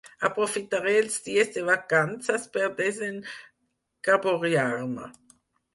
Aprofitaré els dies de vacances per desencaboriar-me.